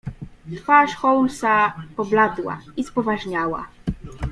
"Twarz Holmesa pobladła i spoważniała."